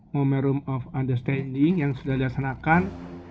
momentum of understanding yang sudah dilaksanakan